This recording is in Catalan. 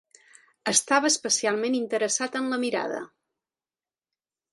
Estava especialment interessat en la mirada.